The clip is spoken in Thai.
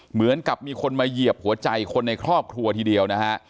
เหมือนกับมีคนมาเหยียบหัวใจคนในครอบครัวทีเดียวนะฮะ